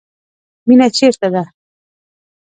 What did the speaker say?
مینه چیرته ده؟